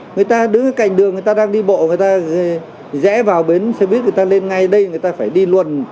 người ta đứng ở cạnh đường người ta đang đi bộ người ta rẽ vào bến xe buýt người ta lên ngay đây người ta phải đi luôn